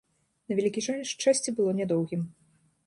На вялікі жаль, шчасце было нядоўгім.